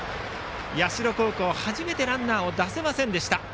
社高校、初めてランナーを出せませんでした。